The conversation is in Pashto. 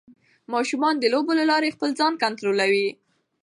ماشومان د لوبو له لارې خپل ځان کنټرولوي.